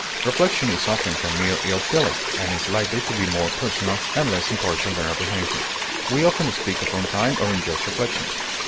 Reflection is often from mere ill feeling, and is likely to be more personal and less impartial than reprehension; we often speak of unkind or unjust reflections.